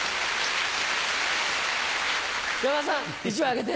山田さん１枚あげて。